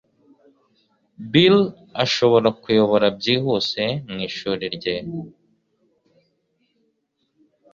Bill arashobora kuyobora byihuse mwishuri rye